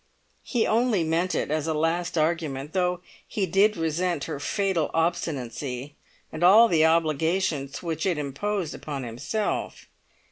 He only meant it as a last argument, though he did resent her fatal obstinacy, and all the obligations which it imposed upon himself.